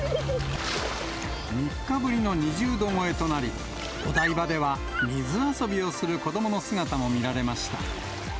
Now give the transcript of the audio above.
３日ぶりの２０度超えとなり、お台場では水遊びをする子どもの姿も見られました。